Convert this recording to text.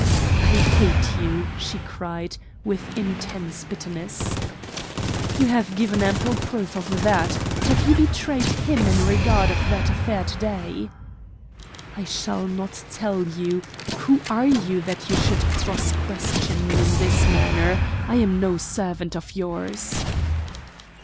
"I hate you!" she cried, with intense bitterness. "You have given ample proof of that. Have you betrayed him in regard to that affair of to day?" "I shall not tell you. Who are you that you should cross question me in this manner? I am no servant of yours."